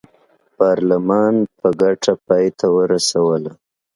پارلمان په ګټه پای ته ورسوله.